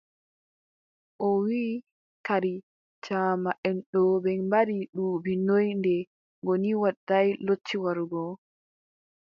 O wii kadi jaamanʼen ɗo ɓe mbaɗi duuɓi noy nde Goni Waɗaay lotti warugo ?